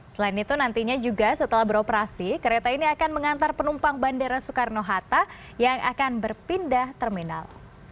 selain itu nantinya juga setelah beroperasi kereta ini akan mengantar penumpang bandara soekarno hatta yang akan berpindah terminal